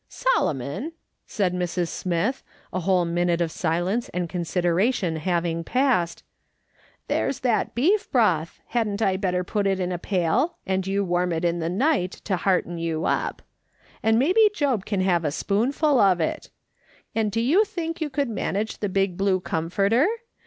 " "Solomon," said Mrs, Smith, a whole minute of silence and consideration having passed, " there's that beef broth, hadn't I better put it in a pail, and you warm it in the night to hearten you up ; and maybe Job can take a spoonful of it. And do you think you could manage the big blue comforter